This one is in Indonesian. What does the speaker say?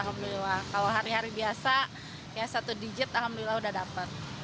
kalau hari hari biasa satu digit alhamdulillah sudah dapat